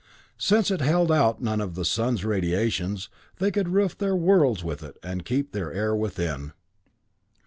Since it held out none of the sun's radiations, they could roof their worlds with it and keep their air within!